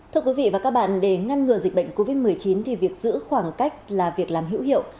thưa quý vị và các bạn để ngăn ngừa dịch bệnh covid một mươi chín thì việc giữ khoảng cách là việc làm hữu hiệu